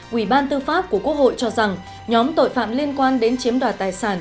ủy ban tư pháp của quốc hội cho rằng nhóm tội phạm liên quan đến chiếm đoạt tài sản